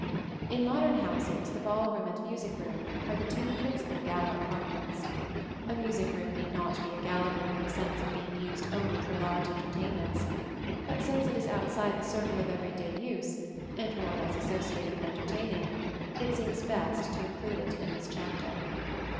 In modern houses the ball room and music room are the two principal gala apartments. A music room need not be a gala room in the sense of being used only for large entertainments; but since it is outside the circle of every day use, and more or less associated with entertaining, it seems best to include it in this chapter.